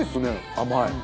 甘い。